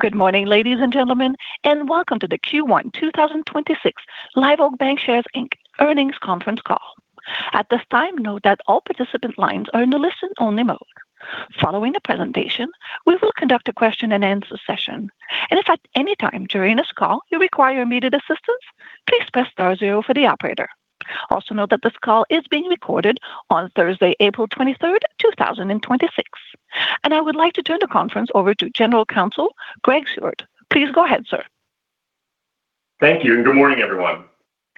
Good morning, ladies and gentlemen, and welcome to the Q1 2026 Live Oak Bancshares, Inc. earnings conference call. At this time, note that all participant lines are in the listen-only mode. Following the presentation, we will conduct a question-and-answer session. If at any time during this call you require immediate assistance, please press star zero for the operator. Also note that this call is being recorded on Thursday, April 23rd, 2026. I would like to turn the conference over to General Counsel, Greg Seward. Please go ahead, sir. Thank you, and good morning, everyone.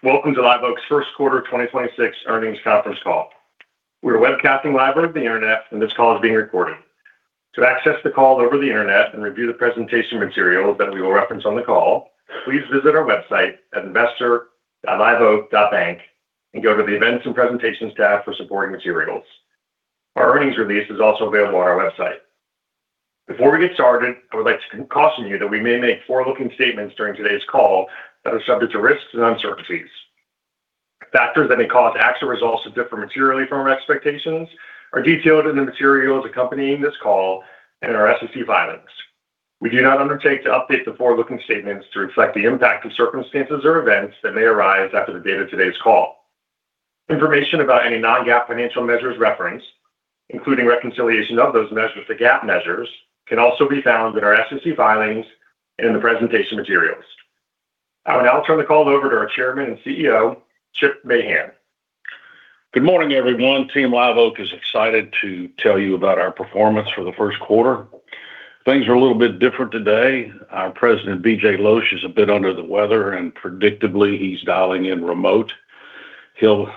Welcome to Live Oak's first quarter 2026 earnings conference call. We are webcasting live over the Internet, and this call is being recorded. To access the call over the Internet and review the presentation materials that we will reference on the call, please visit our website at investor.liveoakbank.com and go to the Events and Presentations tab for supporting materials. Our earnings release is also available on our website. Before we get started, I would like to caution you that we may make forward-looking statements during today's call that are subject to risks and uncertainties. Factors that may cause actual results to differ materially from our expectations are detailed in the materials accompanying this call and our SEC filings. We do not undertake to update the forward-looking statements to reflect the impact of circumstances or events that may arise after the date of today's call. Information about any non-GAAP financial measures referenced, including reconciliation of those measures to GAAP measures, can also be found in our SEC filings and in the presentation materials. I will now turn the call over to our Chairman and CEO, Chip Mahan. Good morning, everyone. Team Live Oak is excited to tell you about our performance for the first quarter. Things are a little bit different today. Our President, BJ Losch, is a bit under the weather, and predictably, he's dialing in remote. He'll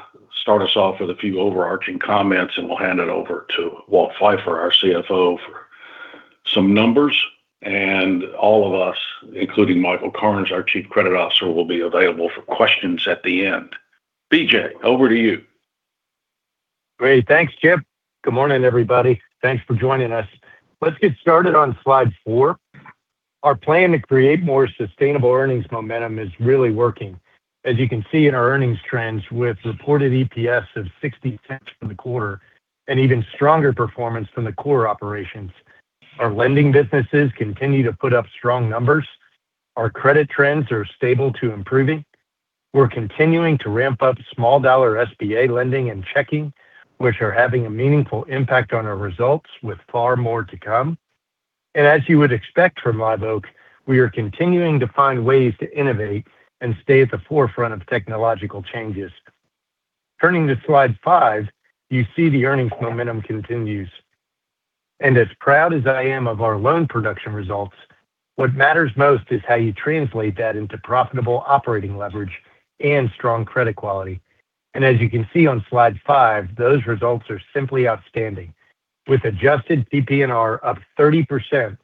start us off with a few overarching comments, and we'll hand it over to Walt Phifer, our CFO, for some numbers. All of us, including Michael Cairns, our Chief Credit Officer, will be available for questions at the end. BJ, over to you. Great. Thanks, Chip. Good morning, everybody. Thanks for joining us. Let's get started on slide 4. Our plan to create more sustainable earnings momentum is really working. As you can see in our earnings trends, with reported EPS of $0.60 for the quarter, and even stronger performance from the core operations. Our lending businesses continue to put up strong numbers. Our credit trends are stable to improving. We're continuing to ramp up small dollar SBA lending and checking, which are having a meaningful impact on our results with far more to come. As you would expect from Live Oak, we are continuing to find ways to innovate and stay at the forefront of technological changes. Turning to Slide 5, you see the earnings momentum continues. As proud as I am of our loan production results, what matters most is how you translate that into profitable operating leverage and strong credit quality. As you can see on Slide 5, those results are simply outstanding, with adjusted PPNR up 30%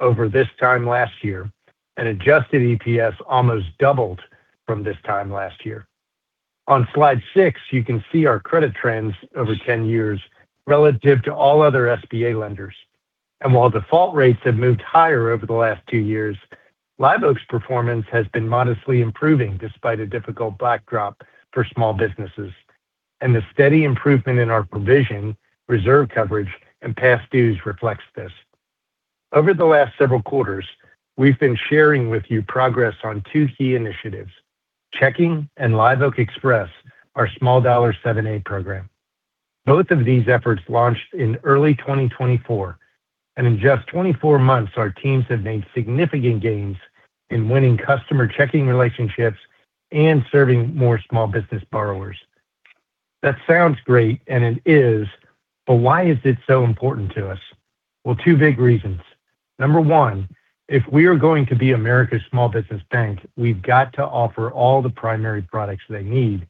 over this time last year and adjusted EPS almost doubled from this time last year. On Slide 6, you can see our credit trends over 10 years relative to all other SBA lenders. While default rates have moved higher over the last two years, Live Oak's performance has been modestly improving, despite a difficult backdrop for small businesses. The steady improvement in our provision, reserve coverage, and past dues reflects this. Over the last several quarters, we've been sharing with you progress on two key initiatives, checking and Live Oak Express, our small-dollar 7(a) program. Both of these efforts launched in early 2024, and in just 24 months, our teams have made significant gains in winning customer checking relationships and serving more small business borrowers. That sounds great, and it is, but why is this so important to us? Well, two big reasons. Number one, if we are going to be America's small business bank, we've got to offer all the primary products they need.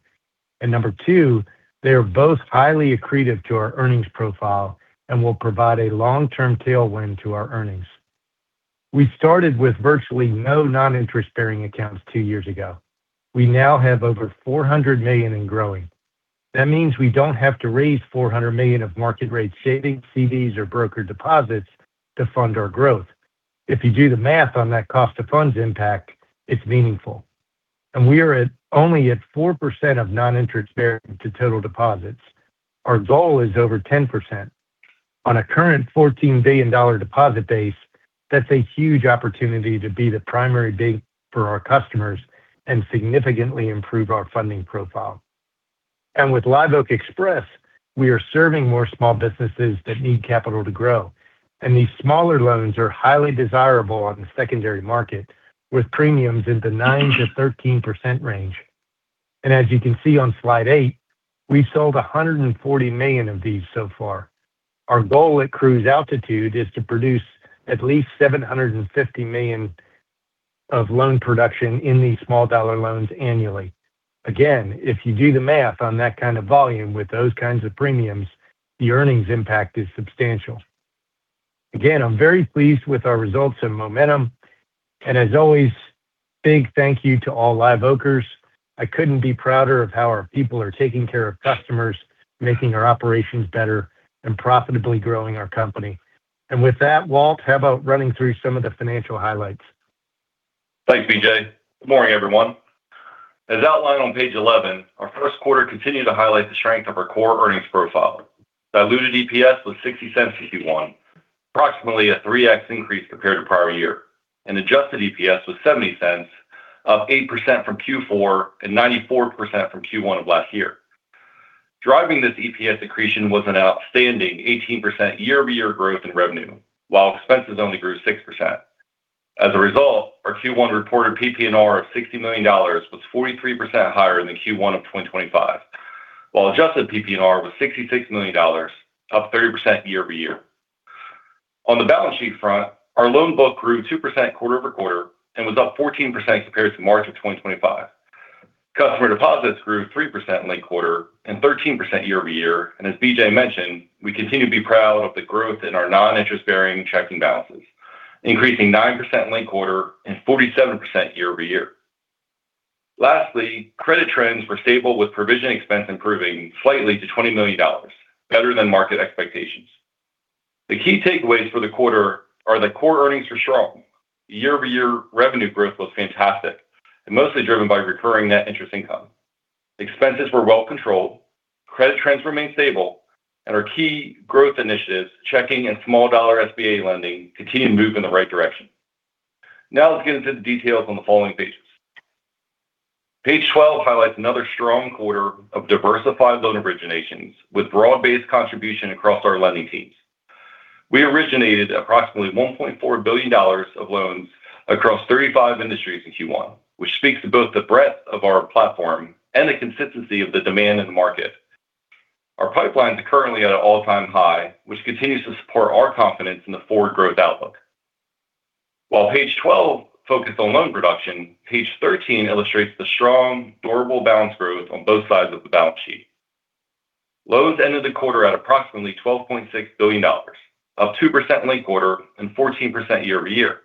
Number two, they are both highly accretive to our earnings profile and will provide a long-term tailwind to our earnings. We started with virtually no non-interest-bearing accounts two years ago. We now have over $400 million and growing. That means we don't have to raise $400 million of market-rate savings, CDs, or broker deposits to fund our growth. If you do the math on that cost of funds impact, it's meaningful. We are only at 4% of non-interest-bearing to total deposits. Our goal is over 10%. On a current $14 billion deposit base, that's a huge opportunity to be the primary bank for our customers and significantly improve our funding profile. With Live Oak Express, we are serving more small businesses that need capital to grow. These smaller loans are highly desirable on the secondary market, with premiums in the 9%-13% range. As you can see on Slide 8, we sold $140 million of these so far. Our goal at Cruise Altitude is to produce at least $750 million of loan production in these small dollar loans annually. Again, if you do the math on that kind of volume with those kinds of premiums, the earnings impact is substantial. Again, I'm very pleased with our results and momentum. As always, big thank you to all Live Oakers. I couldn't be prouder of how our people are taking care of customers, making our operations better, and profitably growing our company. With that, Walt, how about running through some of the financial highlights? Thanks, BJ. Good morning, everyone. As outlined on page 11, our first quarter continued to highlight the strength of our core earnings profile. Diluted EPS was $0.60 in Q1, approximately a 3x increase compared to prior year. Adjusted EPS was $0.70, up 8% from Q4 and 94% from Q1 of last year. Driving this EPS accretion was an outstanding 18% year-over-year growth in revenue, while expenses only grew 6%. As a result, our Q1 reported PPNR of $60 million was 43% higher than Q1 of 2025. While adjusted PPNR was $66 million, up 30% year-over-year. On the balance sheet front, our loan book grew 2% quarter-over-quarter and was up 14% compared to March of 2025. Customer deposits grew 3% linked quarter and 13% year-over-year. As BJ mentioned, we continue to be proud of the growth in our non-interest bearing checking balances, increasing 9% linked quarter and 47% year-over-year. Lastly, credit trends were stable with provision expense improving slightly to $20 million, better than market expectations. The key takeaways for the quarter are that core earnings were strong. Year-over-year revenue growth was fantastic and mostly driven by recurring net interest income. Expenses were well controlled. Credit trends remained stable. Our key growth initiatives, checking and small dollar SBA lending, continue to move in the right direction. Now let's get into the details on the following pages. Page 12 highlights another strong quarter of diversified loan originations with broad-based contribution across our lending teams. We originated approximately $1.4 billion of loans across 35 industries in Q1, which speaks to both the breadth of our platform and the consistency of the demand in the market. Our pipeline's currently at an all-time high, which continues to support our confidence in the forward growth outlook. While page 12 focused on loan production, page 13 illustrates the strong, durable balance growth on both sides of the balance sheet. Loans ended the quarter at approximately $12.6 billion, up 2% linked-quarter and 14% year-over-year.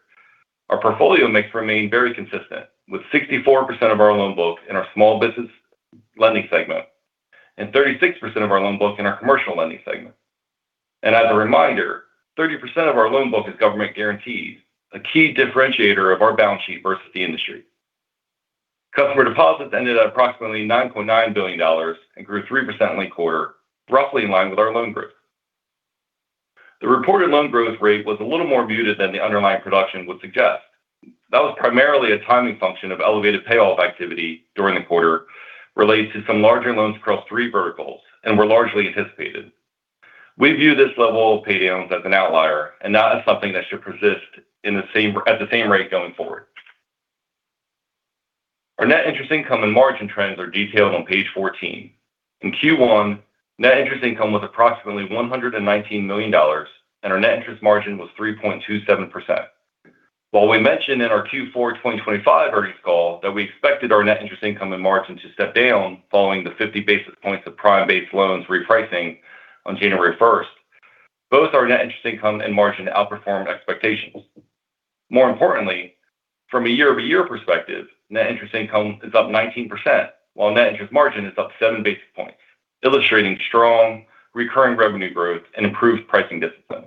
Our portfolio mix remained very consistent with 64% of our loan book in our small business lending segment and 36% of our loan book in our commercial lending segment. As a reminder, 30% of our loan book is government guaranteed, a key differentiator of our balance sheet versus the industry. Customer deposits ended at approximately $9.9 billion and grew 3% linked-quarter, roughly in line with our loan growth. The reported loan growth rate was a little more muted than the underlying production would suggest. That was primarily a timing function of elevated payoff activity during the quarter related to some larger loans across three verticals and were largely anticipated. We view this level of paydowns as an outlier and not as something that should persist at the same rate going forward. Our net interest income and margin trends are detailed on page 14. In Q1, net interest income was approximately $119 million, and our net interest margin was 3.27%. While we mentioned in our Q4 2025 earnings call that we expected our net interest income and margin to step down following the 50 basis points of prime-based loans repricing on January 1st, both our net interest income and margin outperformed expectations. More importantly, from a year-over-year perspective, net interest income is up 19%, while net interest margin is up seven basis points, illustrating strong recurring revenue growth and improved pricing discipline.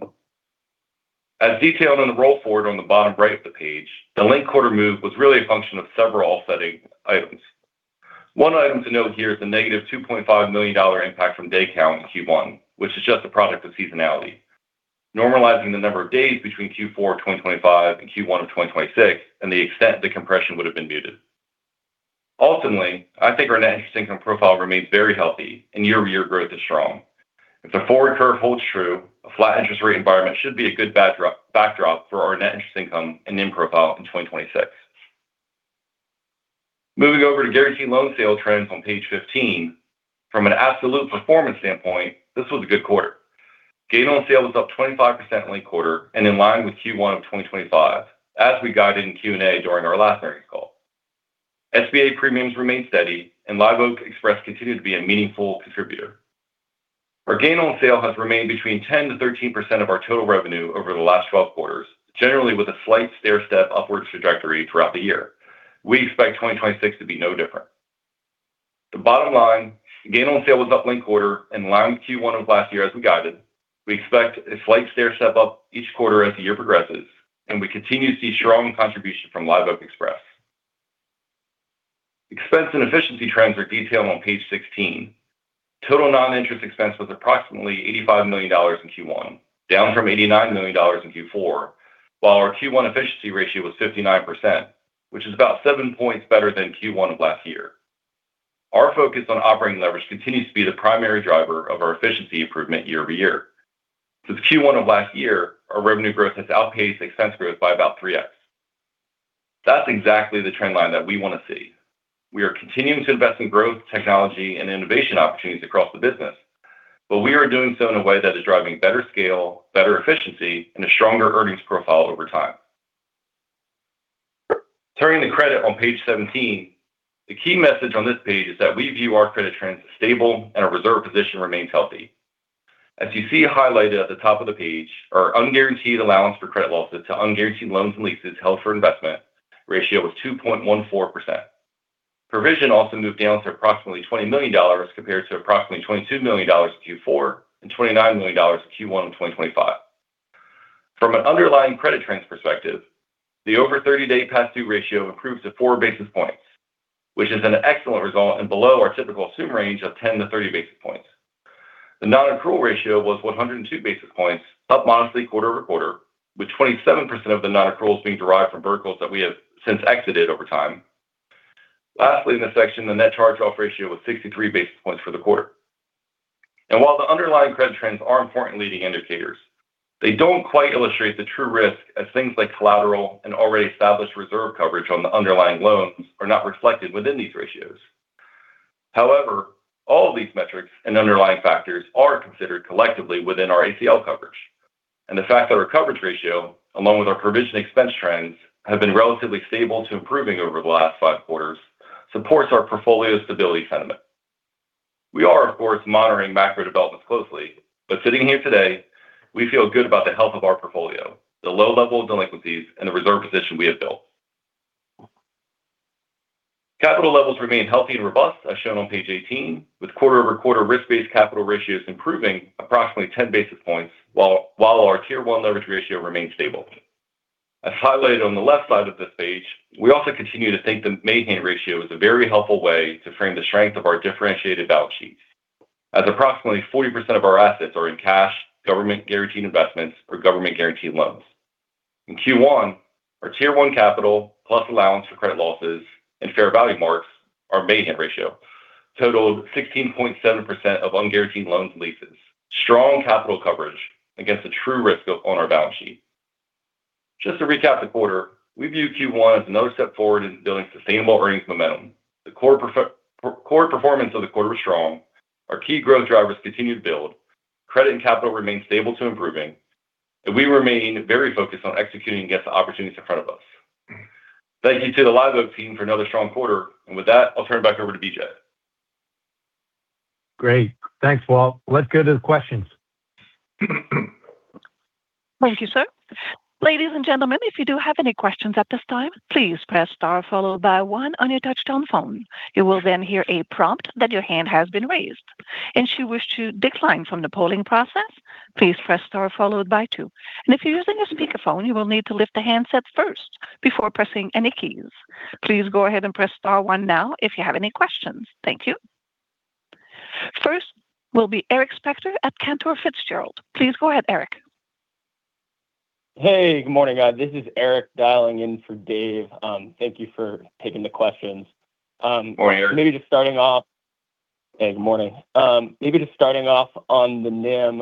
As detailed on the roll forward on the bottom right of the page, the linked quarter move was really a function of several offsetting items. One item to note here is the negative $2.5 million impact from day count in Q1, which is just a product of seasonality. Normalizing the number of days between Q4 2025 and Q1 of 2026 to the extent the compression would have been muted. Ultimately, I think our net interest income profile remains very healthy and year-over-year growth is strong. If the forward curve holds true, a flat interest rate environment should be a good backdrop for our net interest income and NIM profile in 2026. Moving over to guaranteed loan sale trends on page 15. From an absolute performance standpoint, this was a good quarter. Gain on sale was up 25% linked quarter and in line with Q1 of 2025 as we guided in Q&A during our last earnings call. SBA premiums remained steady and Live Oak Express continued to be a meaningful contributor. Our gain on sale has remained between 10%-13% of our total revenue over the last 12 quarters, generally with a slight stairstep upwards trajectory throughout the year. We expect 2026 to be no different. The bottom line, gain on sale was up linked quarter in line with Q1 of last year as we guided. We expect a slight stairstep up each quarter as the year progresses, and we continue to see strong contribution from Live Oak Express. Expense and efficiency trends are detailed on page 16. Total non-interest expense was approximately $85 million in Q1, down from $89 million in Q4, while our Q1 efficiency ratio was 59%, which is about seven points better than Q1 of last year. Our focus on operating leverage continues to be the primary driver of our efficiency improvement year-over-year. Since Q1 of last year, our revenue growth has outpaced expense growth by about 3x. That's exactly the trend line that we want to see. We are continuing to invest in growth, technology, and innovation opportunities across the business. We are doing so in a way that is driving better scale, better efficiency, and a stronger earnings profile over time. Turning to credit on page 17, the key message on this page is that we view our credit trends as stable and our reserve position remains healthy. As you see highlighted at the top of the page, our unguaranteed allowance for credit losses to unguaranteed loans and leases held for investment ratio was 2.14%. Provision also moved down to approximately $20 million compared to approximately $22 million in Q4 and $29 million in Q1 2025. From an underlying credit trends perspective, the over 30-day past due ratio improved to 4 basis points, which is an excellent result and below our typical assumed range of 10-30 basis points. The non-accrual ratio was 102 basis points, up modestly quarter-over-quarter, with 27% of the non-accruals being derived from verticals that we have since exited over time. Lastly, in this section, the net charge-off ratio was 63 basis points for the quarter. While the underlying credit trends are important leading indicators, they don't quite illustrate the true risk as things like collateral and already established reserve coverage on the underlying loans are not reflected within these ratios. However, all of these metrics and underlying factors are considered collectively within our ACL coverage. The fact that our coverage ratio, along with our provision expense trends, have been relatively stable to improving over the last five quarters supports our portfolio stability sentiment. We are, of course, monitoring macro developments closely, but sitting here today, we feel good about the health of our portfolio, the low level of delinquencies, and the reserve position we have built. Capital levels remain healthy and robust, as shown on page 18, with quarter-over-quarter risk-based capital ratios improving approximately 10 basis points while our Tier 1 leverage ratio remains stable. As highlighted on the left side of this page, we also continue to think the Mahan Ratio is a very helpful way to frame the strength of our differentiated balance sheet, as approximately 40% of our assets are in cash, government-guaranteed investments or government-guaranteed loans. In Q1, our Tier 1 capital, plus allowance for credit losses and fair value marks, our Mahan Ratio totaled 16.7% of unguaranteed loans and leases. Strong capital coverage against the true risk on our balance sheet. Just to recap the quarter, we view Q1 as another step forward in building sustainable earnings momentum. The core performance of the quarter was strong. Our key growth drivers continued to build. Credit and capital remained stable to improving, and we remain very focused on executing against the opportunities in front of us. Thank you to the Live Oak team for another strong quarter. With that, I'll turn it back over to BJ. Great. Thanks, Walt. Let's go to the questions. Thank you, sir. Ladies and gentlemen, if you do have any questions at this time, please press star followed by one on your touch-tone phone. You will then hear a prompt that your hand has been raised. Should wish to decline from the polling process, please press star followed by two. If you're using a speakerphone, you will need to lift the handset first before pressing any keys. Please go ahead and press star one now if you have any questions. Thank you. First will be Eric Spector at Cantor Fitzgerald. Please go ahead, Eric. Hey, good morning, guys. This is Eric dialing in for Dave. Thank you for taking the questions. Morning, Eric. Hey, good morning. Maybe just starting off on the NIM.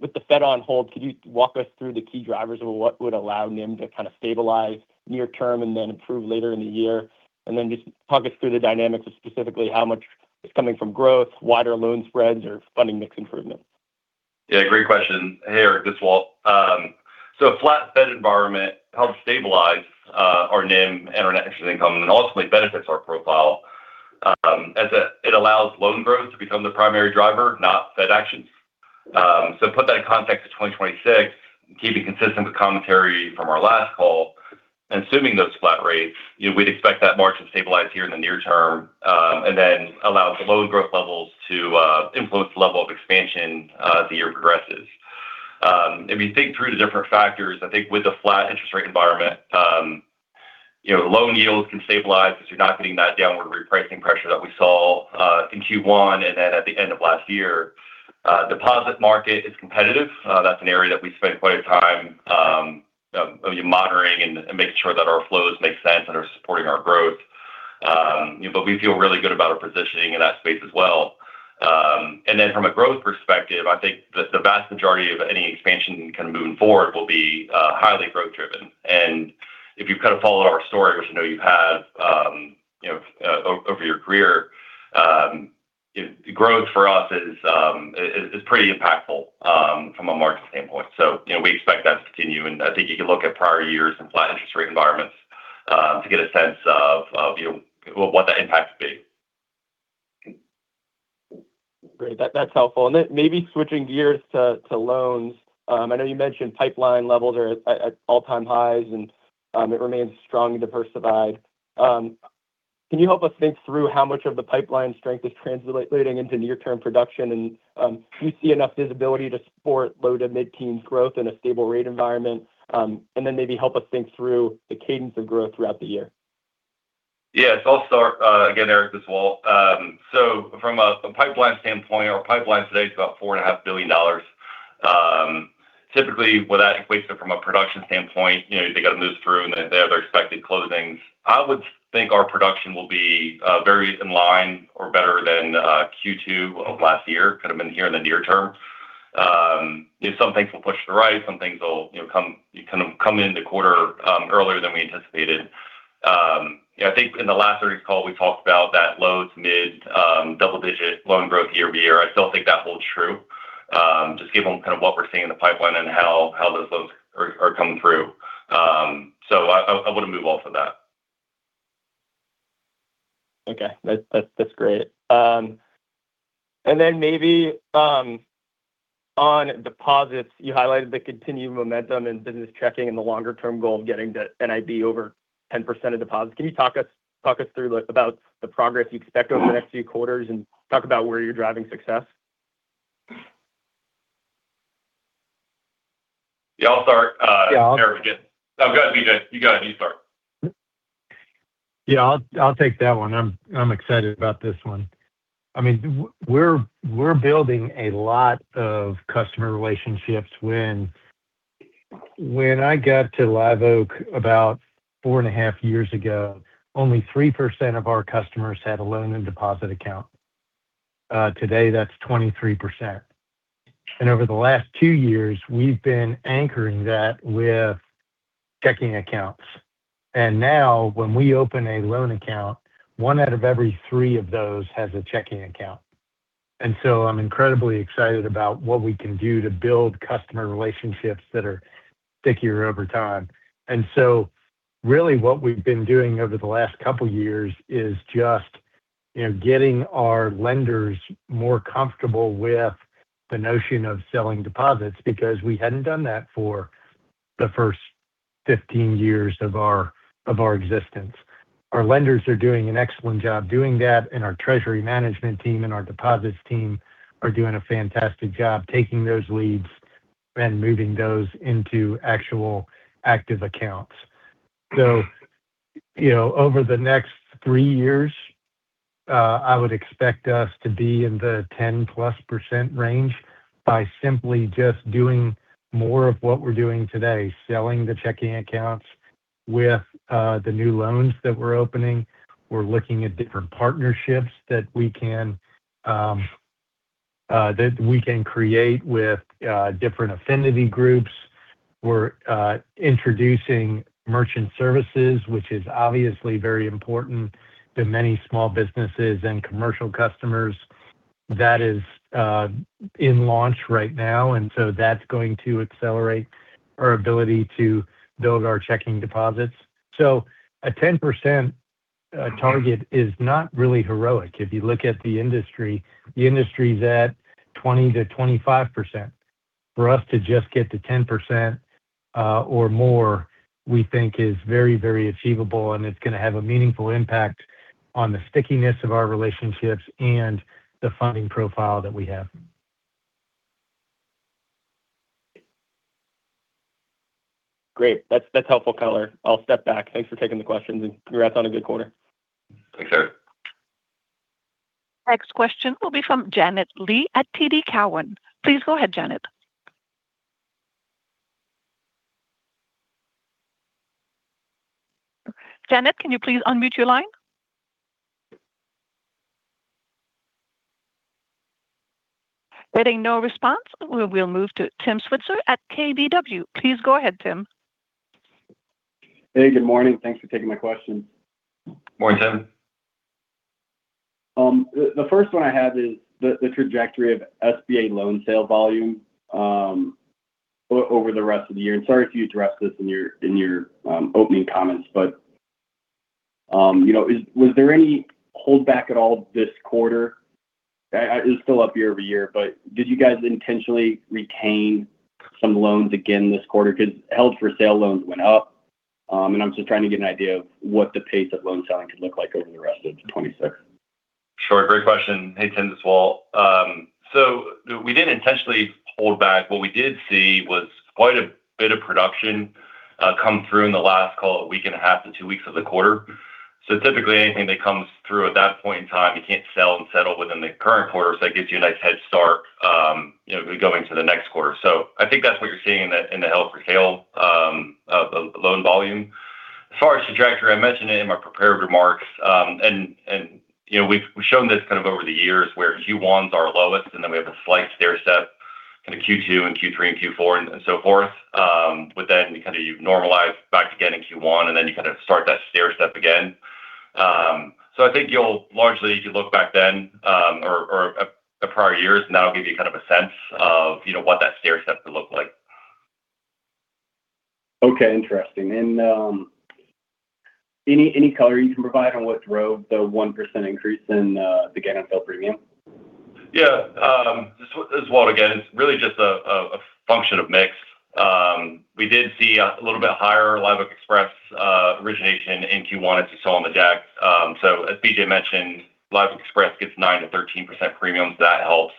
With the Fed on hold, could you walk us through the key drivers of what would allow NIM to kind of stabilize near term and then improve later in the year? Just talk us through the dynamics of specifically how much is coming from growth, wider loan spreads or funding mix improvement. Yeah, great question. Hey, Eric. This is Walt. A flat Fed environment helps stabilize our NIM and our net interest income and ultimately benefits our profile as it allows loan growth to become the primary driver, not Fed actions. Put that in context to 2026, keeping consistent with commentary from our last call and assuming those flat rates, we'd expect that margin to stabilize here in the near term and then allow the loan growth levels to influence the level of expansion as the year progresses. If you think through the different factors, I think with a flat interest rate environment, loan yields can stabilize because you're not getting that downward repricing pressure that we saw in Q1 and then at the end of last year, deposit market is competitive. That's an area that we spend quite a time monitoring and making sure that our flows make sense and are supporting our growth. We feel really good about our positioning in that space as well. From a growth perspective, I think that the vast majority of any expansion kind of moving forward will be highly growth driven. If you've kind of followed our story, which I know you have over your career, growth for us is pretty impactful from a margin standpoint. We expect that to continue, and I think you can look at prior years and flat interest rate environments to get a sense of what the impact would be. Great. That's helpful. Maybe switching gears to loans. I know you mentioned pipeline levels are at all-time highs, and it remains strong and diversified. Can you help us think through how much of the pipeline strength is translating into near-term production? Do you see enough visibility to support low- to mid-teens% growth in a stable rate environment? Maybe help us think through the cadence of growth throughout the year. Yes. I'll start again, Eric. This is Walt. From a pipeline standpoint, our pipeline today is about $4.5 billion. Typically, with that equation from a production standpoint, they got to move through and they have their expected closings. I would think our production will be very in line or better than Q2 of last year, could have been here in the near term. Some things will push to the right, some things will come into quarter earlier than we anticipated. I think in the last earnings call, we talked about that low- to mid-double-digit loan growth year-over-year. I still think that holds true. Just given kind of what we're seeing in the pipeline and how those loans are coming through. I want to move off of that. Okay. That's great. Maybe on deposits, you highlighted the continued momentum in business checking and the longer-term goal of getting to NIB over 10% of deposits. Can you talk us through about the progress you expect over the next few quarters and talk about where you're driving success? Yeah. I'll start. Yeah. Go ahead, BJ. You go ahead. You start. Yeah. I'll take that one. I'm excited about this one. We're building a lot of customer relationships. When I got to Live Oak about 4.5 years ago, only 3% of our customers had a loan and deposit account. Today, that's 23%. Over the last 2 years, we've been anchoring that with checking accounts. Now, when we open a loan account, one out of every three of those has a checking account. I'm incredibly excited about what we can do to build customer relationships that are stickier over time. Really what we've been doing over the last couple of years is just getting our lenders more comfortable with the notion of selling deposits, because we hadn't done that for the first 15 years of our existence. Our lenders are doing an excellent job doing that, and our treasury management team and our deposits team are doing a fantastic job taking those leads and moving those into actual active accounts. Over the next three years, I would expect us to be in the 10-plus% range by simply just doing more of what we're doing today, selling the checking accounts with the new loans that we're opening. We're looking at different partnerships that we can create with different affinity groups. We're introducing merchant services, which is obviously very important to many small businesses and commercial customers. That is in launch right now, and so that's going to accelerate our ability to build our checking deposits. A 10% target is not really heroic. If you look at the industry, the industry's at 20%-25%. For us to just get to 10% or more, we think is very achievable, and it's going to have a meaningful impact on the stickiness of our relationships and the funding profile that we have. Great. That's helpful color. I'll step back. Thanks for taking the questions, and congrats on a good quarter. Thanks, Eric. Next question will be from Janet Lee at TD Cowen. Please go ahead, Janet. Janet, can you please unmute your line? Getting no response. We will move to Tim Switzer at KBW. Please go ahead, Tim. Hey, good morning. Thanks for taking my question. Morning, Tim. The first one I have is the trajectory of SBA loan sale volume over the rest of the year, and sorry if you addressed this in your opening comments. Was there any holdback at all this quarter? It's still up year-over-year, but did you guys intentionally retain some loans again this quarter? Because held-for-sale loans went up, and I'm just trying to get an idea of what the pace of loan selling could look like over the rest of 2024. Sure. Great question. Hey, Tim. This is Walt. We didn't intentionally hold back. What we did see was quite a bit of production come through in the last week and a half to two weeks of the quarter. Typically, anything that comes through at that point in time, you can't sell and settle within the current quarter. That gives you a nice head start going into the next quarter. I think that's what you're seeing in the held-for-sale loan volume. As far as the trajectory, I mentioned it in my prepared remarks. We've shown this over the years, where Q1 is our lowest, and then we have a slight stair step in the Q2 and Q3 and Q4 and so forth. With that, you normalize back again in Q1, and then you start that stair step again. I think largely if you look back then or at prior years, and that'll give you a sense of what that stair step could look like. Okay. Interesting. Any color you can provide on what drove the 1% increase in the gain on sale premium? Yeah. This is Walt again. It's really just a function of mix. We did see a little bit higher Live Oak Express origination in Q1, as you saw on the deck. As BJ mentioned, Live Oak Express gets 9%-13% premiums. That helps.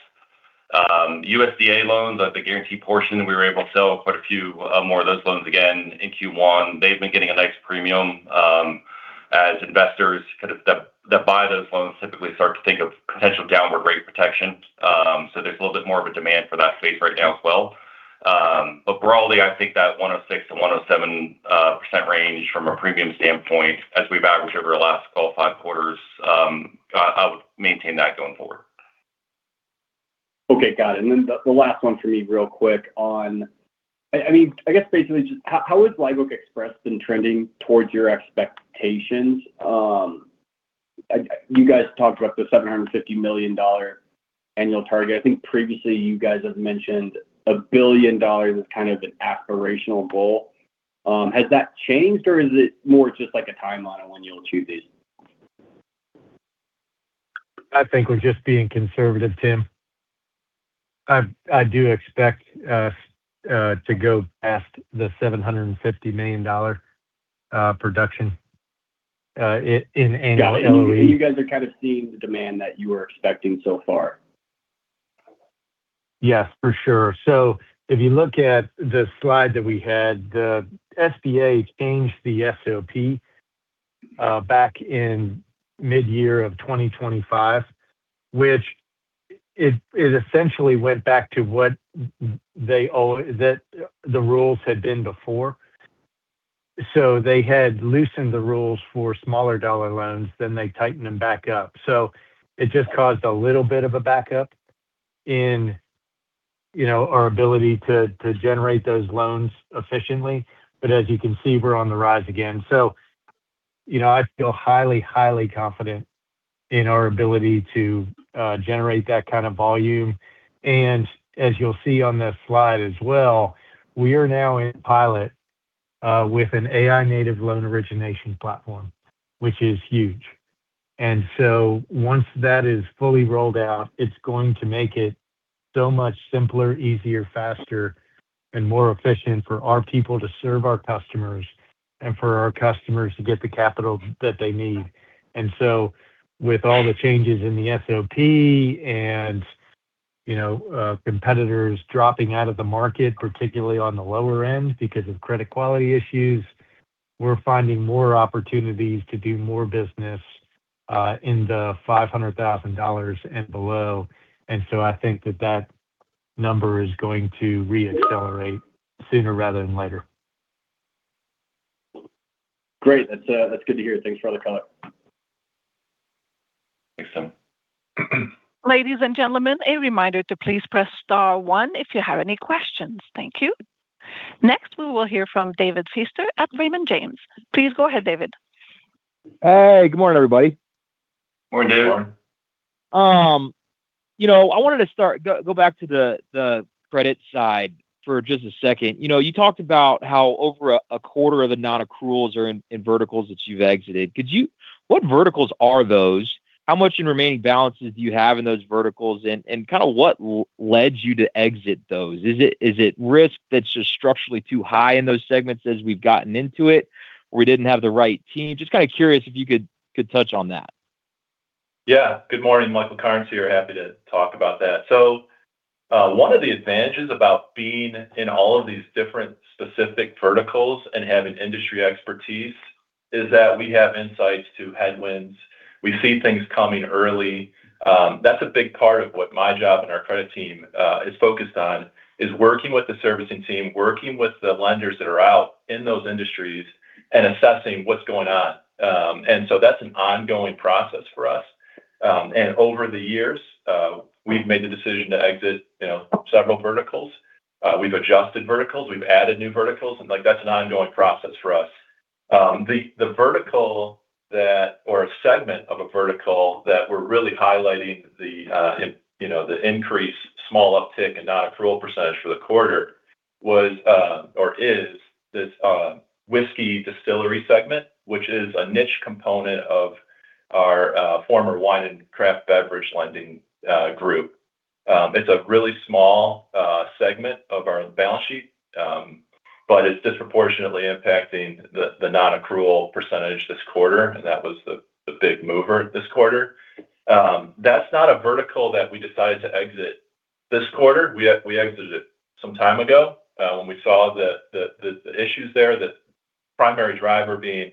USDA loans, the guaranteed portion, we were able to sell quite a few more of those loans again in Q1. They've been getting a nice premium as investors that buy those loans typically start to think of potential downward rate protection. There's a little bit more of a demand for that space right now as well. Broadly, I think that 106%-107% range from a premium standpoint, as we've averaged over the last five quarters, I would maintain that going forward. Okay. Got it. The last one for me real quick on, I guess basically just how has Live Oak Express been trending towards your expectations? You guys talked about the $750 million annual target. I think previously you guys have mentioned $1 billion as kind of an aspirational goal. Has that changed, or is it more just like a timeline on when you'll achieve these? I think we're just being conservative, Tim. I do expect us to go past the $750 million production in annual LOE. Got it. You guys are kind of seeing the demand that you were expecting so far. Yes, for sure. If you look at the slide that we had, the SBA changed the SOP back in mid-year of 2025, which it essentially went back to what the rules had been before. They had loosened the rules for smaller dollar loans, then they tightened them back up. It just caused a little bit of a backup in our ability to generate those loans efficiently. As you can see, we're on the rise again. I feel highly confident in our ability to generate that kind of volume. As you'll see on this slide as well, we are now in pilot with an AI-native loan origination platform, which is huge. Once that is fully rolled out, it's going to make it so much simpler, easier, faster, and more efficient for our people to serve our customers and for our customers to get the capital that they need. With all the changes in the SOP and competitors dropping out of the market, particularly on the lower end because of credit quality issues, we're finding more opportunities to do more business in the $500,000 and below. I think that number is going to re-accelerate sooner rather than later. Great. That's good to hear. Thanks for the color. Thanks, Tim. Ladies and gentlemen, a reminder to please press star one if you have any questions. Thank you. Next, we will hear from David Feaster at Raymond James. Please go ahead, David. Hey, good morning, everybody. Morning, David. Good morning. I wanted to start, go back to the credit side for just a second. You talked about how over a quarter of the non-accruals are in verticals that you've exited. What verticals are those? How much in remaining balances do you have in those verticals, and kind of what led you to exit those? Is it risk that's just structurally too high in those segments as we've gotten into it? We didn't have the right team? Just kind of curious if you could touch on that. Yeah. Good morning. Michael Cairns here. Happy to talk about that. One of the advantages about being in all of these different specific verticals and having industry expertise is that we have insights into headwinds. We see things coming early. That's a big part of what my job and our credit team is focused on is working with the servicing team, working with the lenders that are out in those industries, and assessing what's going on. That's an ongoing process for us. Over the years, we've made the decision to exit several verticals. We've adjusted verticals, we've added new verticals, and that's an ongoing process for us. a segment of a vertical that we're really highlighting the increase, small uptick in non-accrual percentage for the quarter is this whiskey distillery segment, which is a niche component of our former wine and craft beverage lending group. It's a really small segment of our balance sheet. It's disproportionately impacting the non-accrual percentage this quarter, and that was the big mover this quarter. That's not a vertical that we decided to exit this quarter. We exited it some time ago when we saw the issues there. The primary driver being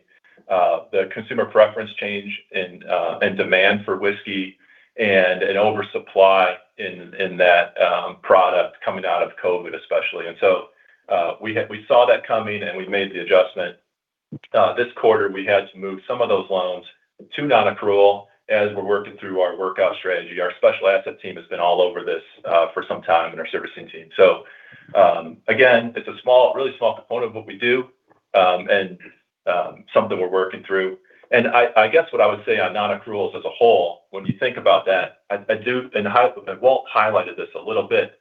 the consumer preference change and demand for whiskey and an oversupply in that product coming out of COVID especially. we saw that coming, and we made the adjustment. This quarter, we had to move some of those loans to non-accrual as we're working through our workout strategy. Our special asset team has been all over this for some time, and our servicing team. Again, it's a really small component of what we do and something we're working through. I guess what I would say on non-accruals as a whole, when you think about that, and Walt highlighted this a little bit.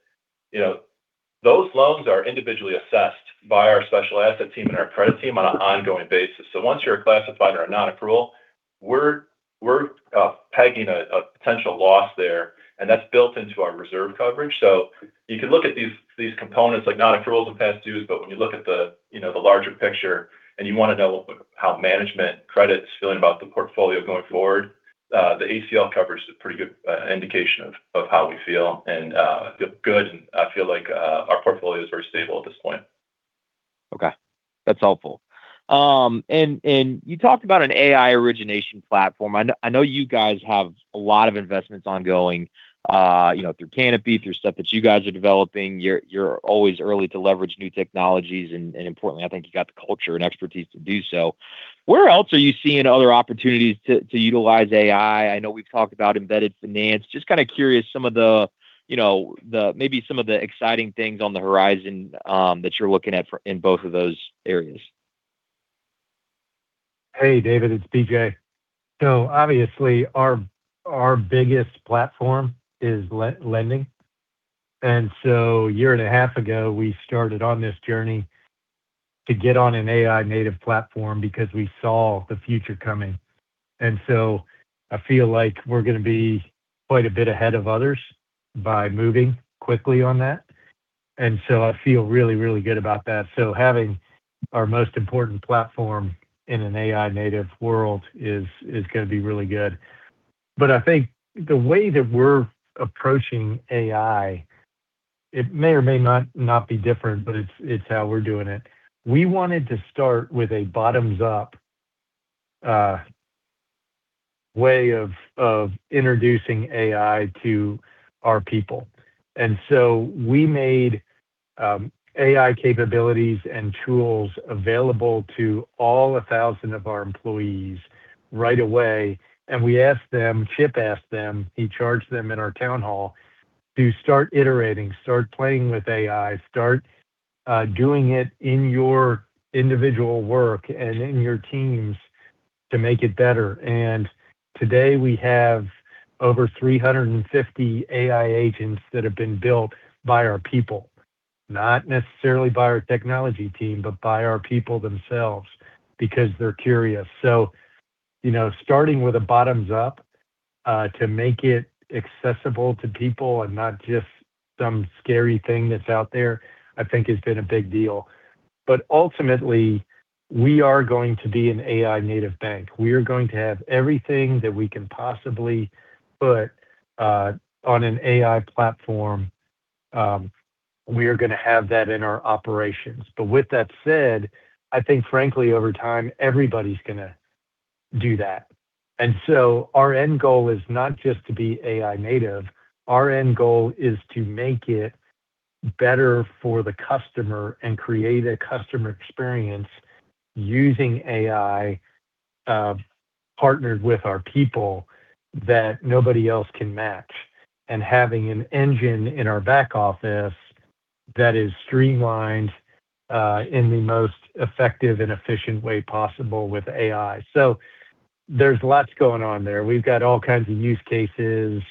Those loans are individually assessed by our special asset team and our credit team on an ongoing basis. Once you're classified as a non-accrual, we're pegging a potential loss there, and that's built into our reserve coverage. You can look at these components like non-accruals and past dues, but when you look at the larger picture and you want to know how management credit is feeling about the portfolio going forward, the ACL coverage is a pretty good indication of how we feel. I feel good, and I feel like our portfolio is very stable at this point. Okay. That's helpful. You talked about an AI origination platform. I know you guys have a lot of investments ongoing through Canapi, through stuff that you guys are developing. You're always early to leverage new technologies, and importantly, I think you got the culture and expertise to do so. Where else are you seeing other opportunities to utilize AI? I know we've talked about embedded finance. Just kind of curious maybe some of the exciting things on the horizon that you're looking at in both of those areas. Hey, David, it's BJ. Obviously our biggest platform is lending. A year and a half ago, we started on this journey to get on an AI native platform because we saw the future coming. I feel like we're going to be quite a bit ahead of others by moving quickly on that. I feel really, really good about that. Having our most important platform in an AI native world is going to be really good. I think the way that we're approaching AI, it may or may not be different, but it's how we're doing it. We wanted to start with a bottoms up way of introducing AI to our people. We made AI capabilities and tools available to all 1,000 of our employees right away. We asked them, Chip asked them, he charged them in our town hall to start iterating, start playing with AI, start doing it in your individual work and in your teams to make it better. Today we have over 350 AI agents that have been built by our people. Not necessarily by our technology team, but by our people themselves because they're curious. Starting with a bottoms up to make it accessible to people and not just some scary thing that's out there, I think has been a big deal. Ultimately, we are going to be an AI native bank. We are going to have everything that we can possibly put on an AI platform. We are going to have that in our operations. With that said, I think frankly, over time, everybody's going to do that. Our end goal is not just to be AI native. Our end goal is to make it better for the customer and create a customer experience using AI, partnered with our people that nobody else can match. Having an engine in our back office that is streamlined in the most effective and efficient way possible with AI. There's lots going on there. We've got all kinds of use cases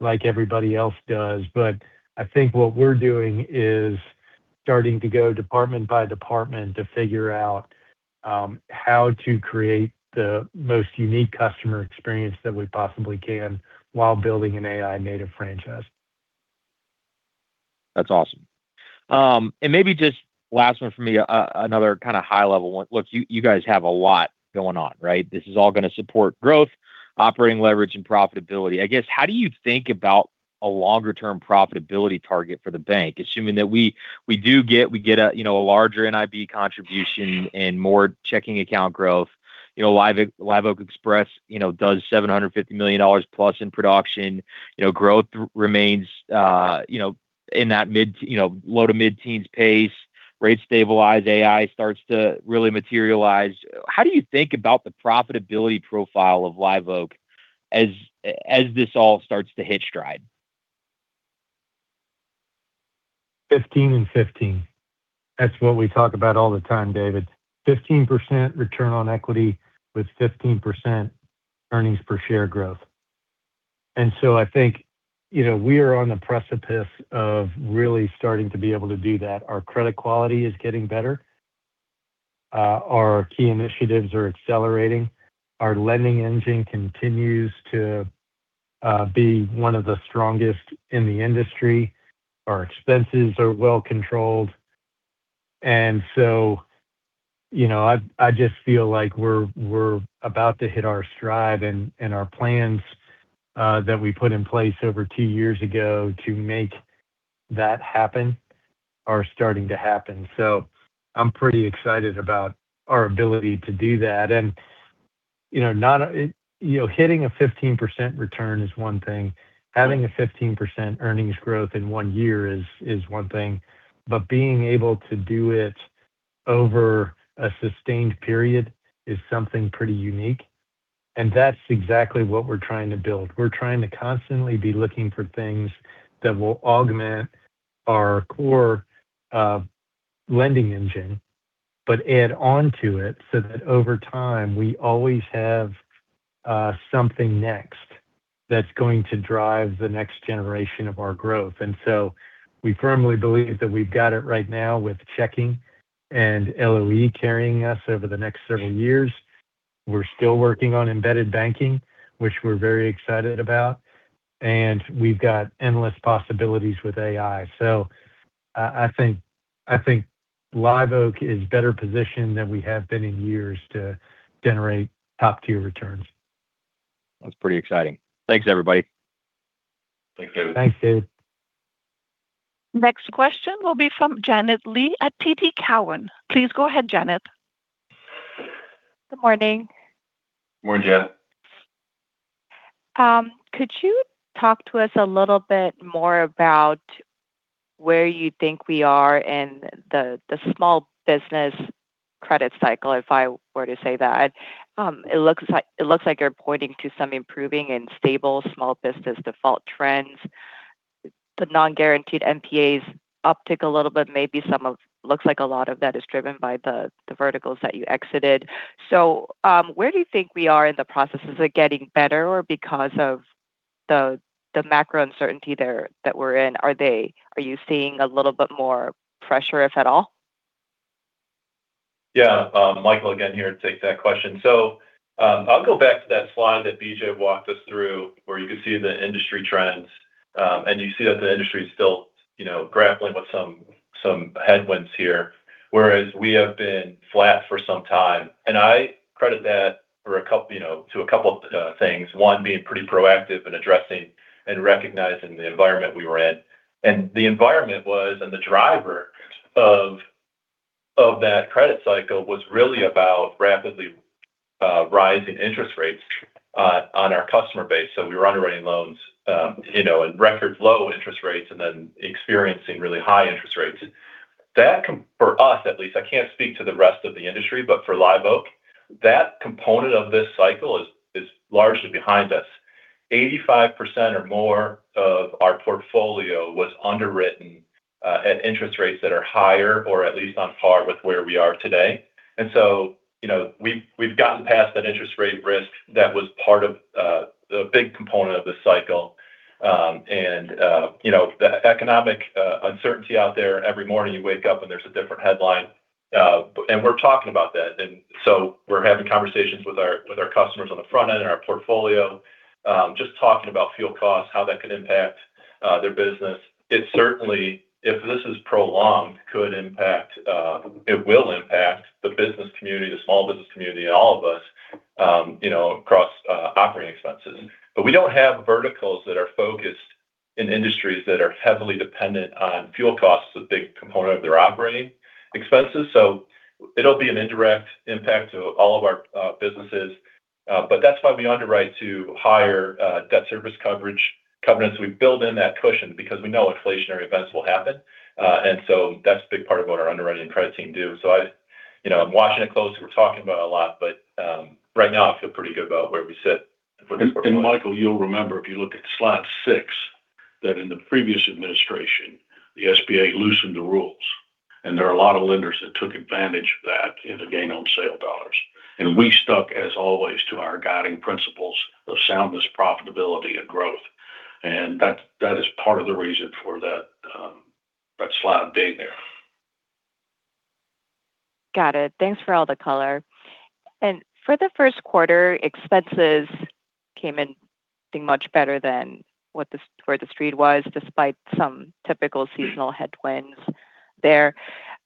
like everybody else does. I think what we're doing is starting to go department by department to figure out how to create the most unique customer experience that we possibly can while building an AI native franchise. That's awesome. Maybe just last one for me, another kind of high level one. Look, you guys have a lot going on, right? This is all going to support growth, operating leverage, and profitability. I guess, how do you think about a longer term profitability target for the bank? Assuming that we do get a larger NIB contribution and more checking account growth. Live Oak Express does $750 million plus in production. Growth remains in that low to mid-teens pace. Rates stabilize, AI starts to really materialize. How do you think about the profitability profile of Live Oak as this all starts to hit stride? 15 and 15. That's what we talk about all the time, David. 15% return on equity with 15% earnings per share growth. I think we are on the precipice of really starting to be able to do that. Our credit quality is getting better. Our key initiatives are accelerating. Our lending engine continues to be one of the strongest in the industry. Our expenses are well controlled. I just feel like we're about to hit our stride and our plans that we put in place over two years ago to make that happen are starting to happen. I'm pretty excited about our ability to do that. Hitting a 15% return is one thing. Having a 15% earnings growth in one year is one thing. Being able to do it over a sustained period is something pretty unique. That's exactly what we're trying to build. We're trying to constantly be looking for things that will augment our core lending engine, but add onto it so that over time we always have something next that's going to drive the next generation of our growth. We firmly believe that we've got it right now with checking and LOE carrying us over the next several years. We're still working on embedded banking, which we're very excited about. We've got endless possibilities with AI. I think Live Oak is better positioned than we have been in years to generate top tier returns. That's pretty exciting. Thanks everybody. Thanks David. Thanks, David. Next question will be from Janet Lee at TD Cowen. Please go ahead, Janet. Good morning. Morning, Janet. Could you talk to us a little bit more about where you think we are in the small business credit cycle, if I were to say that? It looks like you're pointing to some improving and stable small business default trends. The non-guaranteed NPAs uptick a little bit, maybe looks like a lot of that is driven by the verticals that you exited. Where do you think we are in the process? Is it getting better or because of the macro uncertainty that we're in? Are you seeing a little bit more pressure, if at all? Yeah. Michael again here to take that question. I'll go back to that slide that BJ walked us through, where you can see the industry trends. You see that the industry is still grappling with some headwinds here, whereas we have been flat for some time. I credit that to a couple of things. One, being pretty proactive in addressing and recognizing the environment we were in. The environment was, and the driver of that credit cycle was really about rapidly rising interest rates on our customer base. We were underwriting loans at record low interest rates and then experiencing really high interest rates. That for us at least, I can't speak to the rest of the industry, but for Live Oak, that component of this cycle is largely behind us. 85% or more of our portfolio was underwritten at interest rates that are higher or at least on par with where we are today. We've gotten past that interest rate risk that was part of the big component of the cycle. The economic uncertainty out there, every morning you wake up and there's a different headline. We're talking about that. We're having conversations with our customers on the front end and our portfolio, just talking about fuel costs, how that could impact their business. It certainly, if this is prolonged, it will impact the business community, the small business community, and all of us across operating expenses. We don't have verticals that are focused in industries that are heavily dependent on fuel costs as a big component of their operating expenses. It'll be an indirect impact to all of our businesses. that's why we underwrite to higher debt service coverage covenants. We build in that cushion because we know inflationary events will happen. that's a big part of what our underwriting credit team do. I'm watching it closely. We're talking about it a lot. right now, I feel pretty good about where we sit for this quarter. Michael, you'll remember if you look at slide six, that in the previous administration, the SBA loosened the rules. There are a lot of lenders that took advantage of that in the gain on sale dollars. We stuck, as always, to our guiding principles of soundness, profitability, and growth. That is part of the reason for that slide being there. Got it. Thanks for all the color. For the first quarter, expenses came in much better than where the street was despite some typical seasonal headwinds there.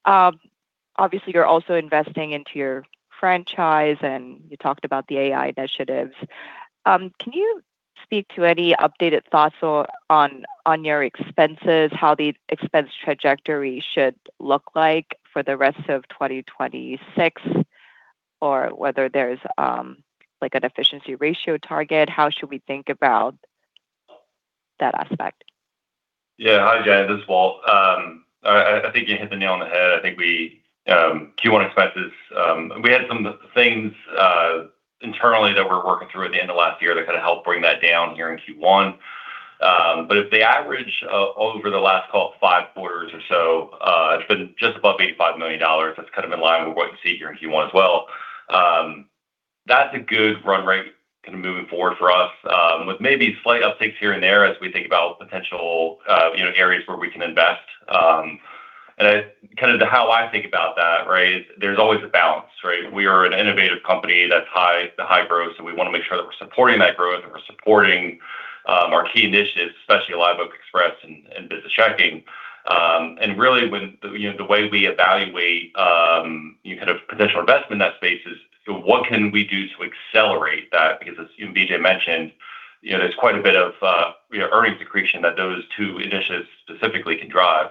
Obviously, you're also investing into your franchise, and you talked about the AI initiatives. Can you speak to any updated thoughts on your expenses, how the expense trajectory should look like for the rest of 2026, or whether there's an efficiency ratio target? How should we think about that aspect? Yeah. Hi, Janet, this is Walt. I think you hit the nail on the head. I think Q1 expenses, we had some things internally that we're working through at the end of last year that kind of helped bring that down here in Q1. But if they average over the last call it five quarters or so, it's been just above $85 million. That's kind of in line with what you see here in Q1 as well. That's a good run rate kind of moving forward for us, with maybe slight upticks here and there as we think about potential areas where we can invest. Kind of how I think about that, right? There's always a balance, right? We are an innovative company that's high growth, so we want to make sure that we're supporting that growth and we're supporting our key initiatives, especially Live Oak Express and business checking. Really the way we evaluate potential investment in that space is what can we do to accelerate that? Because as BJ mentioned, there's quite a bit of earnings accretion that those two initiatives specifically can drive.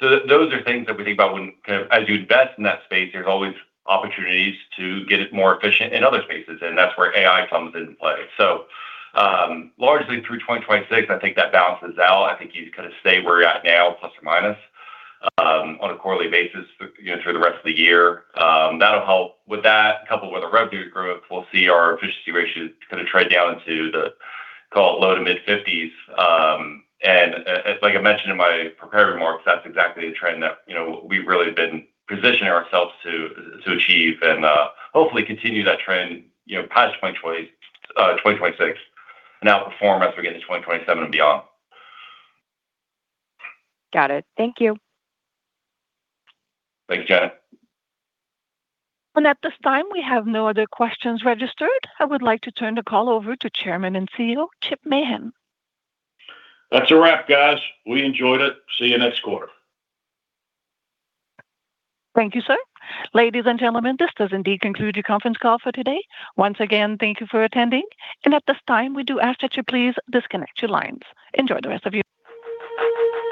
Those are things that we think about when, as you invest in that space, there's always opportunities to get it more efficient in other spaces, and that's where AI comes into play. Largely through 2026, I think that balances out. I think you kind of stay where you're at now, plus or minus, on a quarterly basis through the rest of the year. That'll help with that. Coupled with the revenue growth, we'll see our efficiency ratio kind of trend down into the low- to mid-50s. Like I mentioned in my prepared remarks, that's exactly the trend that we've really been positioning ourselves to achieve and hopefully continue that trend past 2026 and beyond. Got it. Thank you. Thanks, Janet. At this time, we have no other questions registered. I would like to turn the call over to Chairman and CEO, Chip Mahan. That's a wrap, guys. We enjoyed it. See you next quarter. Thank you, sir. Ladies and gentlemen, this does indeed conclude your conference call for today. Once again, thank you for attending. At this time, we do ask that you please disconnect your lines. Enjoy the rest of your